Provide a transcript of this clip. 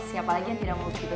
siapa lagi yang tidak mau tidur